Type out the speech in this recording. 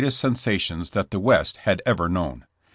95 est sensations that the West had ever known.